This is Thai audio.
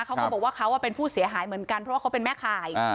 เขาก็บอกว่าเขาเป็นผู้เสียหายเหมือนกันเพราะว่าเขาเป็นแม่ข่าย